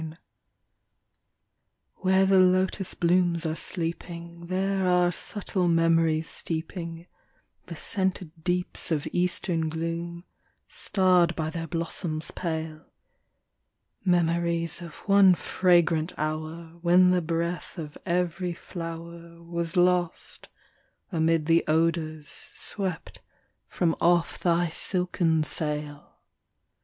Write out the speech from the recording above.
CLEOPATRA, 75 Where the lotus blooms are sleeping, There are subtle memories steeping The scented deeps of Eastern gloom starred by their blos soms pale ; Memories of one fragrant hour, When the breath of every flower Was lost amid the odors swept from off thy silken sail.